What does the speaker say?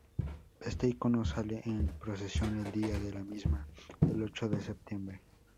Este icono sale en procesión el día de la misma, el ocho de septiembre.